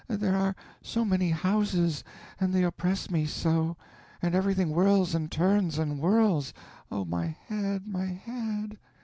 There are so many houses ... and they oppress me so... and everything whirls and turns and whirls... oh, my head, my head!"